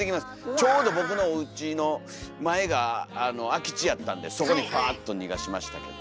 ちょうど僕のおうちの前が空き地やったんでそこにパーッと逃がしましたけど。